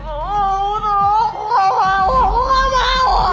aku mau aku mau aku nggak mau